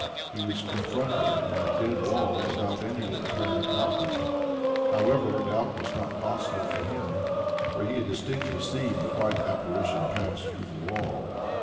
He was confronted by a dead wall without any apparent outlet. However, doubt was not possible for him, for he had distinctly seen the white Apparition pass through the wall.